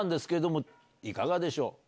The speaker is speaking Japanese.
いかがでしょう？